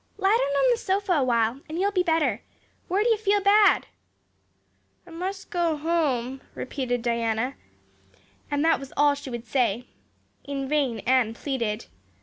Lie down on the sofa for a little while and you'll be better. Where do you feel bad?" "I must go home," said Diana, and that was all she would say. In vain Anne pleaded.